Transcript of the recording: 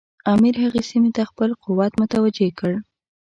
امیر هغې سیمې ته خپل قوت متوجه کړ.